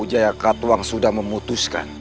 jayakatwang sudah memutuskan